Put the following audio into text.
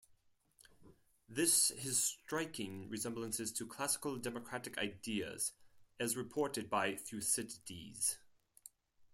This has striking resemblances to classical democratic ideas, as reported by Thucydides.